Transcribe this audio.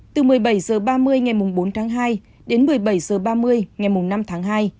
từ một mươi bảy h ba mươi ngày bốn tháng hai đến một mươi bảy h ba mươi ngày năm tháng hai